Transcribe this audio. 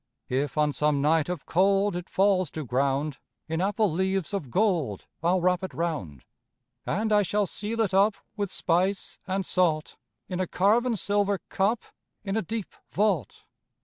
If on some night of cold It falls to ground In apple leaves of gold I'll wrap it round. And I shall seal it up With spice and salt, In a carven silver cup, In a deep vault.